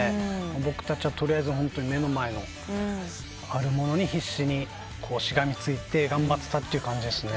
僕たちはホントに目の前のあるものに必死にしがみついて頑張ってたって感じですね。